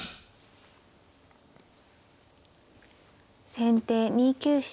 先手２九飛車。